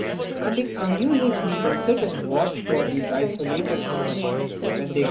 And it amuses me to sit and watch for these isolated moments when they come.